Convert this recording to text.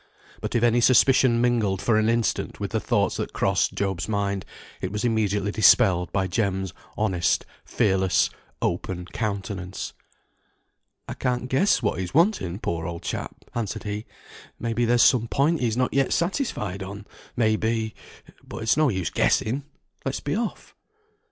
But if any suspicion mingled for an instant with the thoughts that crossed Job's mind, it was immediately dispelled by Jem's honest, fearless, open countenance. "I can't guess what he's wanting, poor old chap," answered he. "May be there's some point he's not yet satisfied on; may be but it's no use guessing; let's be off."